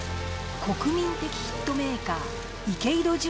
国民的ヒットメーカー池井戸潤